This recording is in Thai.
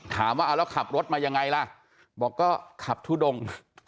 ถามว่าเอาแล้วขับรถมายังไงล่ะบอกก็ขับทุดง